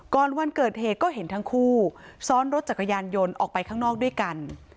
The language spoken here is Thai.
วันเกิดเหตุก็เห็นทั้งคู่ซ้อนรถจักรยานยนต์ออกไปข้างนอกด้วยกัน